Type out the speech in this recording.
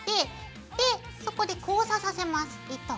でそこで交差させます糸を。